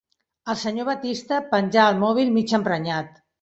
El senyor Batiste penjà el mòbil mig emprenyat.